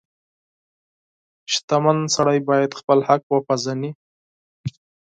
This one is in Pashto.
• شتمن سړی باید خپل حق وپیژني.